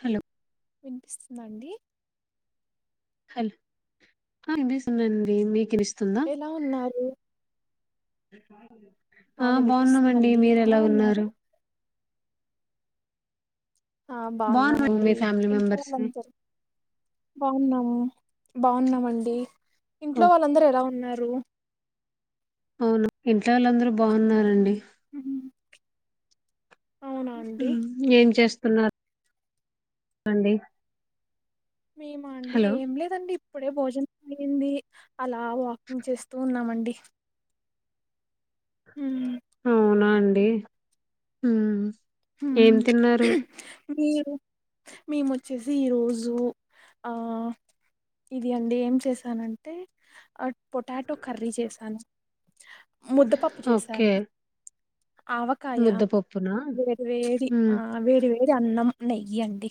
Hello వినిపిస్తుందా అండి hello ఆ వినిపిస్తుందండి మీకు విని స్ ఎలా ఉన్నారు [unintelligible] ఆ బాగున్నామండి మీరెలా ఉన్నారు ఆ బాగున్నాము బాగున్నామండి మీ ఫ్యామిలీ ఇంట్లో మెంబర్స్ వాళ్ళందర్ అవునా బాగున్నామండి ఇంట్లో ఓ వాళ్ళందరూ ఎలా ఉన్నార్ రూ అవును ఇంట్లో వాళ్ళందరు బాగున్నారండి మ్మ్ హు మ్మ్ ఏం చేస్ తున్నార్ అండి మేమా అండి హలో ఏం లేదండి ఇప్పుడే భోజన్ ఈఅయ్యింది అలా వాకింగ్ చేస్తూ ఉన్నామండి మ్ అవునా అండి మ్ ఏం తిన్నారు మేము వచ్చేసి ఈ రోజు ఆ ఇది అండి ఏం చేసానంటే అ పొటాటో కర్రీ చేసాను [inaudible] ముద్దపప్పు చేసాను ఓకే ముద్దపప్పునా వేడి వేడి ఆ ఉమ్, వేడి వేడి అన్నం నెయ్యి అండి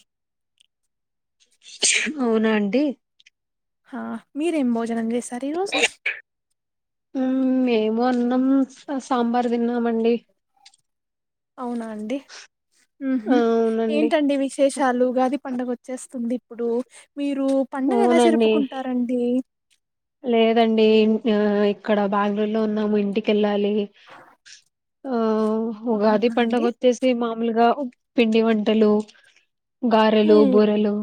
అవునా అండి ఆ మీరేం భోజనం చే మ్మ్ మేము అన్నం సాంబార్ తిన్నా ఆమండి అవునా అండిహ్మ్ హు అవునండి ఏంటండి విశేషాలు ఉగాది పండగ వచ్చేస్తుంది ఇప్పుడు మీరు పండుగ ఎలా అవునండి జరుపుకుంటారండి లేదండి ఇక్కడ బ్యాంగుళూరులో ఉన్నాము ఇంటికెళ్ళాలి అ ఆ ఉగాది అవునా పండగ అండి వచ్చేసి మామూలుగా పిండి వంటలు గారలు ఉమ్ బూరెలు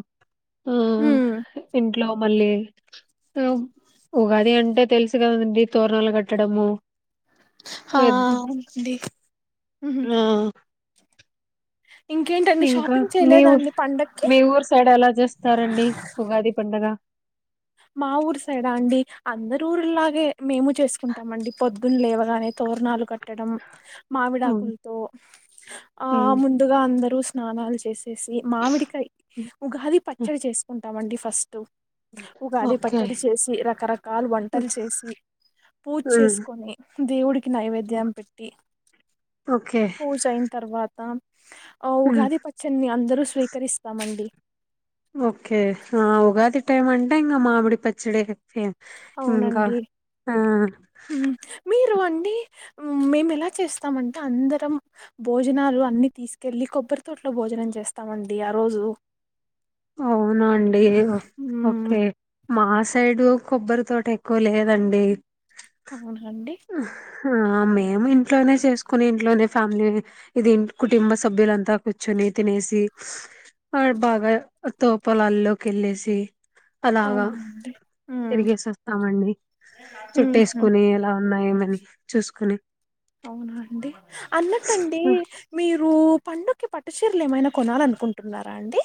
ఆ ఉమ్ ఇట్లో మళ్ళీ ఉగాది అంటే తెలుసు కదండి తోరణాలు కట్టడము ఆ అవునండి ఆ, ఇంకేంటండి ఇంకా షాపింగ్ మీ చేయలేదా ఊ అండి పండక్కి మీ ఊరు సైడ్ ఎలా చేస్తారండి ఉగాది పండగ మా ఊరు సైడా అండి అందరు ఊర్లాగే మేము చేస్ కుంటామండి పొద్దున లేవగానే తోరణాలు క ట్టడం ఉమ్, మామిడాకులతో ఆ ఉమ్, ముందుగా అందరూ స్నానాలు చేసి మామిడికాయ్ ఉగాది పచ్చడి చేసుకుంట ంటామండి ఫస్ట్ ఉగాది ఓకే పచ్చడి చేసి రకరకాలు వంటలు చేసి పూజ ఉమ్, చేసుకొని దేవుడి కి నైవేద్యం పెట్టి ఓకే పూజ అయిన తర్వాత ఆ ఉమ్, ఉగాది పచ్చన్నీ అందరూ స్వీకరిస్తామండి ఓకే ఆ ఉగాది టైం అంటే ఇంకా మామిడి పచ్చడి ఫేమ్ ఇంకా అవునండి ఆ రు అండి మేము ఎలా చేస్తామంటే అందరం భోజనాలు అన్ని తీసుకెళ్ళి కొబ్బరి తోట్లో భోజనం చేస్తామండి ఆ రోజు అవునా అండి హ్మ్. ఓకే మా సైడు కొబ్బరి తోట ఎక్కువ లేదండి అవునా అండి? ఆ మేము ఇంట్లోనే చేసుకుని ఇంట్లోనే ఫ్యామిలీ ఇది కుటుంబ సభ్యులంతా కూచ్చోని తినేసి ఆ బాగా తోపలాల్లోకి ఎళ్ళేసి అలాగా అవునండి. హ్మ్. తిరిగేసి వస్తామండి హుహు. చుట్టేసుకొని అలా ఉన్నాయేమని చూసుకొని అవునా అండి అన్నట్టండి మీ రూ పండక్కి పట్టు చీరలు ఏమైనా కొనాలనుకుంటున్నారా అండి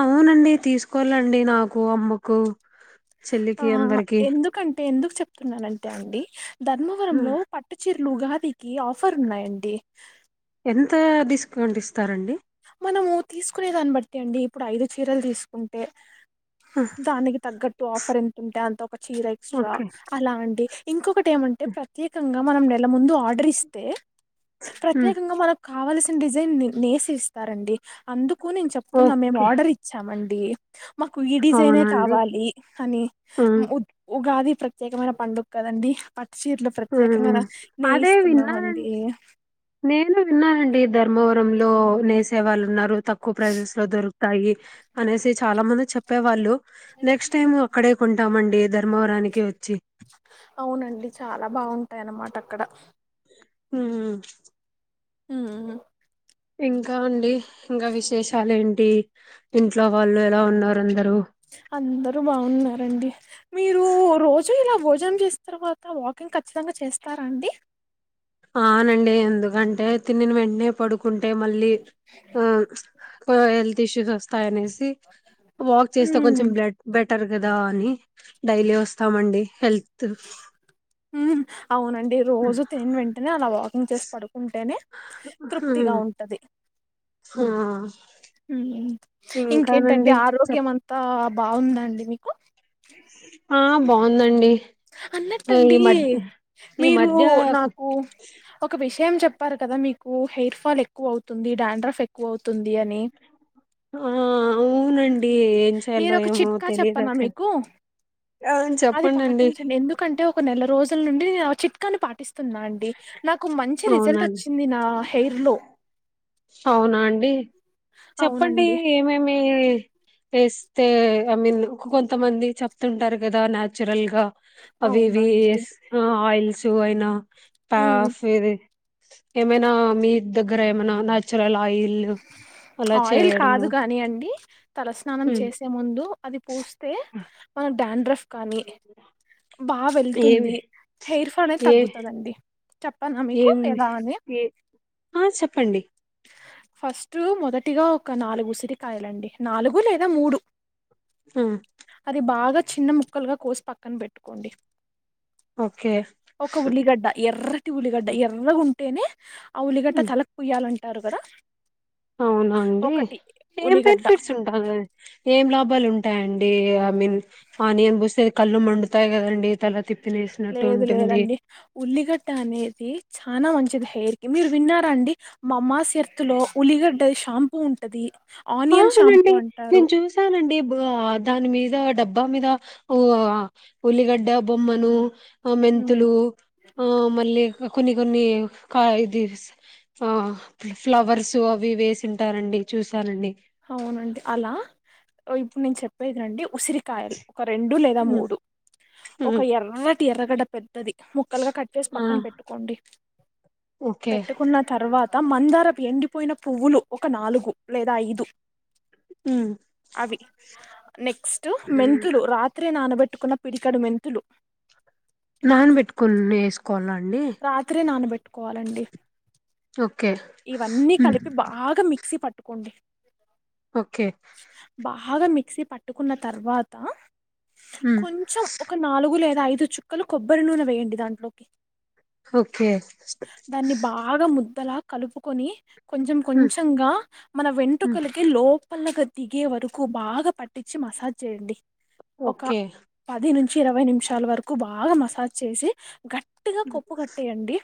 అవునండి తీసుకోవాలండి నాకు అమ్మకు చెల్లికి అందరికి నేనుఅంతే అండి ధర్మవరం ఆ! లో పట్టుచీరి లుగాది ఈ ఆఫర్ ఉన్నాయండి కౌంట్ ఇస్తారండి మనము తీసుకునే దాన్ని బట్టి అండి ఇప్పుడు ఐదు చీరలు తీసుకుంటే ఆ! దానికి తగ్గట్టు ఆఫర్ ఎంతుంటే అంత ఒక చీర ఎక్సట్రా ఓకే అలా అండి ఇంకొక టేమంటే ప్రత్యేకంగా మనం నెల ముందు ఆర్డర్ ఇస్తే హ్మ్. ప్రత్యేకంగా మనకు కావలసిన డిజైన్ నే నేసిస్ తారండి అందుకు కు నేను చెప్తున్నా మేము ఓకే. ఆర్డర్ ఇచ్చామం డీ మాకు ఈ డిజైనే అవునండి. కావాలి అని హ్మ్. ఉ ఉగాది ప్రత్యేకమైన పండుగ కదండి చీరలు ఆ ప్రత్యేకంగా అదే విన్నాన నేయిస్తున్నామండి నేనూ విన్నానండి ధర్మవరం లో నేసే వాళ్ళు ఉన్నారు తక్కువ ప్రైసస్ లో దొరు కుతాయి అనేసి చాలా మంది చెప్పేవాళ్ళు నెక్స్ట్ టైం అక్కడే కొంటామండి ధర్మవరానికి వచ్చి లా బావుంటాయి అన్నమాట అక్కడ హ్మ్ హ్మ్మ్ ఇంకా అండి ఇంకా విశేషాలు ఏంటి ఇంట్లో వాళ్ళు ఎలా ఉన్నారు అందరు అందరూ బావున్నారండి మీరు రోజు ఇలా భోజనం చేసిన తర్వాత వాకింగ్ ఖచ్చితంగా చేస్తారా అండి ఆనండి ఎందుకంటే తినిన వెంటనే పడు కుంటే మళ్ళీ ఆ ఆ హెల్త్ ఇష్యూస్ వస్తాయనేసి తియ్ వాక్ చేస్తే ఉమ్ కొంచెం బెట్ బెట్ అంటర్ గదా అని డైలీ వస్తామండి హెల్తూ ఉమ్ హ్ అవునండి రోజు తిన్ వెంటనే అలా వాకింగ్ చేస్ పడుకుంటేనే తృప్తిగా ఉంటది. ఆ ఉమ్ ఇంకేంటండి ఇంకానండి చెప్ ఆరోగ్యం అంతా బ బావుందాండి మీకు ఆ బావుందండి అన్నటండి ఈ మీరు మధ్య నాకు ఒక విష్ ఏమ్ చెప్పారు కదా మీకు హెయిర్ ఫాల్ ఎక్కువవుతుంది. డాన్ డ్రాఫ్ ఎక్కువవుతుంది అని. ఆ అవునండి ఏం నేను చేయన్లో ఒక ఏమో చిట్కా చెప్పనా తెలియదసలు మీకు ఆ చెప్పండండి. టించండి ఎందుకంటే ఒక నెల హ్ రోజుల్ నుండి ఆ చిట్కాని పాటిస్త్ తున్నా అండి నాకు మంచి రిజల్ట్ అవునండి ఒచ్చింది. నా హెయిర్ లో అవునా అండి చెప్పండి అవునండి. ఏమేమి వేస్తే ఐ మీన్ కొంతమంది చెప్తుంటారు గదా న్యాచుర్లగా. అవి ఇవి అవునండి ఏస్ నా ఆయిల్ చూఅయినా తా ఉమ్ ఫీర్ రి ఏమైనా మీ దగ్గర ఏమనా నాచుర్ ల ఆయిల్ కాదు గానీయండి తలస్నానం ఉమ్, చేసే ముందు అది పూస్తే మన్ డాన్ డ్రాఫ్ కానీ బాగ్ ఏమి వెళ్తుంది. హెయిర్ ఫాల్ నే ఏ తగ్గుతుందండి, చెప్పనా మీకు ఏమి ఎలా అని ఏ ఆ చెప్పండి ఫస్టు మొదటిగా ఒక నాలుగు ఉసిరికాయలండి నాలుగు లేదా మూడు ఆ అది బాగ చిన్న ముక్కల్గా కోసి పక్కన్ బెట్టుకోండి. ఓకే ఒక ఉల్లిగడ్డ ఎర్రటి ఉల్లిగడ్డ ఎర్రగున్ టేనే ఆ ఉల్లిగడ్డ ఉమ్, తలక్ పూయాలండి. టారు గదా అవునా అండి ఏం ఉల్లిగడ్డ బెనిఫిట్స్ ఉంటాయ్ ఏం లాభాలు ఉంటాయండి. డి ఐ మీన్ ఫానియన్ బుసె కళ్ళు మండుతాయ్ గదండి. లేదు లేదండి ఉల్లిగడ్డ అనేది. చనా మంచిది హెయిర్ కి మీరు విన్నారా అండి మా మాస్త్తులో ఉల్లిగడ్డ షాంపూ ఉంటది. ఆనియన్ షాంపూ అవునండీ. అంటారు నేను చూసానండి బా దాని మీద డబ్బా మీద ఉల్లిగడ్డ బొమ్మను ఆ ఉమ్, మెంతులు ఆ మళ్ళీ కొన్ని కొన్ని ఇది ఆ ఫ్లవర్స్ అవి ఇవి వేసింటారండి. చూసనండి. అవునండి. అలా ఓ ఇప్పుడు నేను చెప్పేది రండి. ఉసిరికాయలు ఒక రెండు లేదా హ్మ్. మూడు ఒక హ్మ్. ఎర్ర ఎర్రటి ఎరగడ పెద్దది. ముక్కలుగా కటచేసి ఆ! పక్కన పెట్టుకోండి. ఓకే. పెట్టుకున్న తర్వాత మందారం ఎండిపోయిన పువ్వులు ఒక నాలుగు లేదా ఐదు హ్మ్. అవి నెక్స్ట్ మెంతులు రాత్రి నానబెట్ పట్టుకున్న పిరికడు మెంతులు నాన్న బెట్టుకుని వేసుకోవాలండి. అండి రాత్రే నానబెట్టుకోవాలండి. ఓకే. ఇవన్నీ హ్మ్. కలిపి బాగా మిక్సీ పట్టు కొండి. ఓకే బాగా మిక్సీ పట్టుకున్న తర్వాత హ్మ్. కొంచెం ఒక నాలుగు లే ఐదు చుక్కలు కొబ్బరి నూనె వేయండి. దాంట్లోకి ఓకే. దాన్ని బాగా ముద్దలా కలుపుకొని కొంచెం హ్మ్. కొంచంగా మన హ్మ్. వెంటుకలకి లోప పలగా దిగే వరకు బాగా పట్టించి మసాజ్ చేయండి. ఒక ఓకే. పది నుంచి ఇరవై నిమిషాల వరకు కు బాగా మసాజ్ చేసి గట్ ట్టిగా హ్మ్. కొప్పు కట్టేయండి.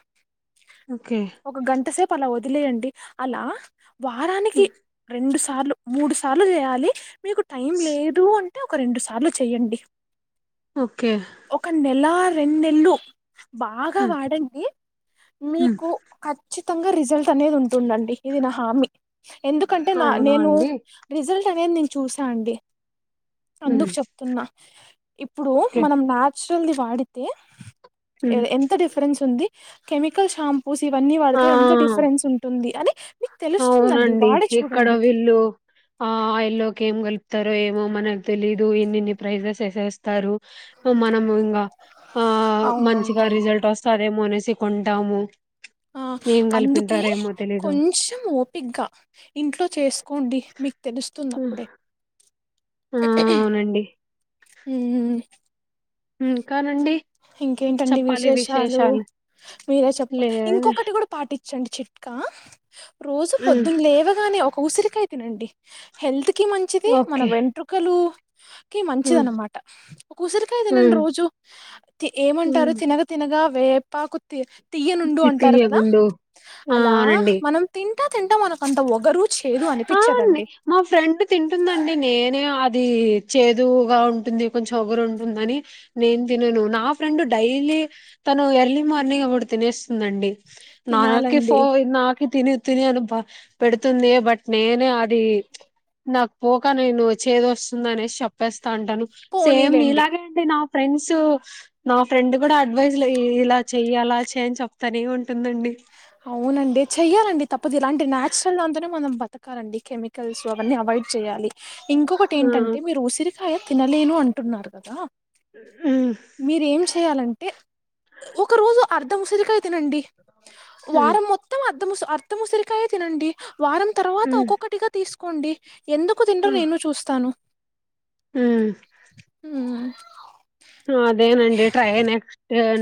ఓకే. ఒక గంట సేప్ అలా వదిలేయండి. అలా వారానికి హ్మ్. రెండు సార్లు మూడు స్ సార్లు చేయాలి. మీకు టైం లేదు అంటే అంటే ఒక రెండు సార్లు చెయ్యండి ఓకే ఇలా రెన్నెల్లు బాగా హ్మ్. వాడండి హ్మ్. మీకు ఖచ్చిత ఉచితంగా రిజల్ట్ అనేది ఉంటుందండి ఇది నా హామీ ఎందుకంటే నా అవునా నేను అండి? రిజల్ట్ అనేది నేను చూసా అండి హ్మ్ అందుకు చెప్తున్నా ఇప్పుడు ఓకే. మనం మ్యాచ్ ల్ వాడితే హ్మ్ ఎంత డిఫరెన్స్ ఉంది కెమికల్ షాంపూస్ ఇవన్నీ పడుత ఆ ఏ ఎంత డిఫరెన్స్ ఉంటుంది అని మీకు తెలుస్తుందండి అవునండి వాడి ఇక్కడ చూడండి వీళ్ళు ఆ ఇల్లో ఏం కలుపుతారో ఏమో మనకు తెలీదు ఇన్ని ఇన్ని ప్రైజెస్ వేసేస్తారు మనము ఇంకా ఆ మంచిగా అవునండి రిజల్ట్ వస్తాదేమో అనేసి కొంటాం ఆ అందుకే తెలీదు కొంచం ఓపికగా ఇంట్లో చేసుకోండి మీకు తెలుస్తుంది అ హ్మ్. ప్పుడే ఆ అవునండి ఊమ్ ఇంక్ ఇంకేంటండి విశేషాలు మీరే చెప్పాలి లే ఇంకొకటి పాటించ చడు చిట్కా రోజు హ్మ్. పొద్దున్న లేవగానే ఒక ఉసిరికయి తినండి హెల్త్ కి కి మంచిది మన ఓకే వెంట్రుకలు క మంచిది అన్నమాట ఒక ఉసిరికాయ తినండి రోజు ఏమంటారు తినగ తినక వేపాకుత్త తియనుండు అంటారు కదా తీయగుండు ఆ అలా అవునండి మనం తి ఆ తింటా మనకంత వగరు ఆ అండి మా ఫ్రెండ్ తింటుందండి నేనే ఆ ఇది చేదుగా ఉంటుంది కొంచెం ఒగరు ఉంటుందని నేన్ తినను నా ఫ్రెండ్ డైలీ తను ఎర్లీ మార్నింగ్ అప్పుడు తినేస్తుందండి నాకి ఫో తినాలండి నాకి తిన తినను బ పెడుతుంది బట్ నేనే అది నాకు పోక నేను చేదు వస్తుంది అనేసి చెప్పేస్ స్తటాను సేమ్ పోనీలండి నీలాగేండి నా ఫ్రెండ్స్సు నా ఫ్రెండ్ కూడా అడ్వైజ్ ఇలా చెయ్యాల చేయని చెప్ [unintelligible] ఉంటుందండి అవునండి చెయ్యాలండి తప్పదు ఇలాంటి నేచురల్ గా అంతనే మనం బతకాలండి కెమికల్స్ అవన్నీ అవాయిడ్ చేయ్యాలి ఇంకొకటి ఆ ఏంటంటే మీరు ఉసిరి కాయ తినలేను అంటున్నారు కదా ఉమ్ మీరేం చేయాలంటే ఒక రోజు అర్ధం ఉసిరికాయ తినండి ఉమ్ వారం మొత్తం అర్థం ఉసిరికాయ తినండి వారం తర్వాత ఉమ్ ఒక్కొక్కటిగా తీస్ కోండి ఎందుకు తినరో నేను చూస్తాను హమ్ హ్మ్ అదేనండి ట్రై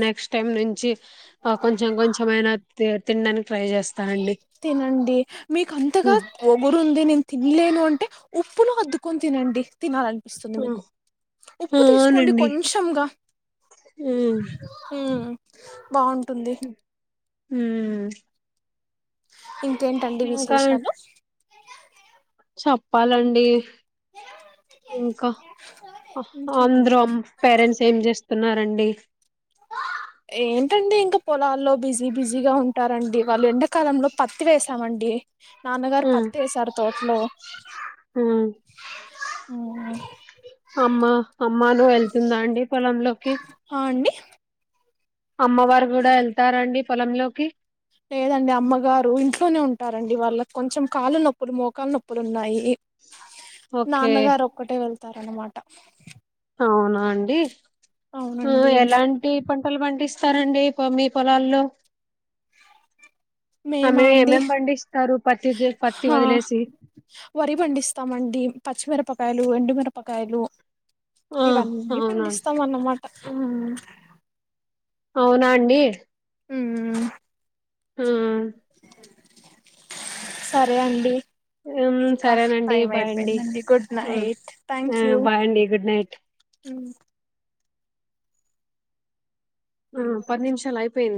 నెక్స్ట్ టైమ్ నుంచి కొంచెం కొంచెం అయినా తిన్ తిండా తినండి మీకంతగా హ్మ్. ఒగురుంది నేను తినలేను అంటే ఉప్పును హద్కొనీ తినండి తినాల ఇస్తుంది హ్మ్. మీకు ఆ! ఉప్పు తీసుకోండి అవునండి కొంచంగా హ్మ్. బాన్ టుంది ఉమ్ ఇంకేంటండి విశేషాలు చెప్పాలండి. ఇంకా ఇంకే అందరం పేరెంట్స్ ఏం చేస్త తిన్నారండి. ఏంటండి. ఇంకా పొలాల్లో బిజీ బిజీగా ఉంటారండి. వాళ్ళు ఎండాకాలంలో పత్తి వేేశామండి. నాన్నగారు హ్మ్. పత్తి వేశారు. తోటలో హ్మ్. అమ్మ అమ్మను వెళ్తుందా అండి పొలంలోకి ఆ అండి. అమ్మవారు కూడా వెళ్తారండి. పొలంలోకి లేదండి. అమ్మగారు ఇంట్లోనే ఉంటారండి. వాళ్ళ కొంచెం కాళ్ళ నొప్పులు, మోకాలు నొప్పులు ఉన్నాయి. ఓకే నాన్నగారు ఒక్కటే వెళ్ చెప్తారన్నమాట అవునా అండి. ఉమ్ అవునండి ఎలాంటి పను పంటలు పండిస్తారండి. మీ పొలాల్లో మేమా ఆమె అండి. ఏమేం పండిస్తారు పత్తి ది పత్తి ఆ వదిలేసి వరి పండిస్తామండి. పచ్చిమిరపకాయలు, ఎండుమిరపకాయలు ఆ ఇవన్నీ అవునా పండిస్తాం. అన్నమాట ఆ అవునా అండి. ఉమ్ హ్మ్ సరే అండి. ఉం ఇంకా సరేనండి. టైం బాయండి. అయిపోయిందండి గుడ్ నైట్ బాయండి. గుడ్ నైట్ అ ఆ పది నిమిషాలు అయిం విను